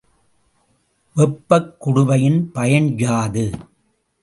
வெப்பக் குடுவையின் பயன் யாது?